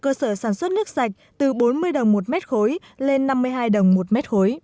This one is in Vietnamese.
cơ sở sản xuất nước sạch từ bốn mươi đồng một m ba lên năm mươi hai đồng một m ba